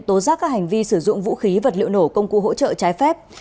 tố giác các hành vi sử dụng vũ khí vật liệu nổ công cụ hỗ trợ trái phép